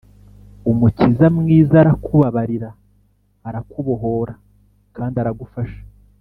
Umukiza mwiz' arakubabarira, Arakubohora kand' aragufasha.